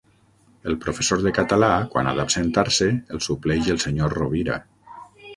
El professor de català, quan ha d'absentar-se, el supleix el senyor Rovira.